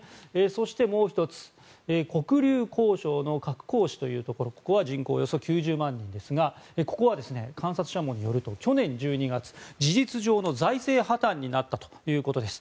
そしてもう１つ黒竜江省の鶴崗市というところここは人口およそ９０万人ですがここは観察者網によると去年１２月事実上の財政破たんになったということです。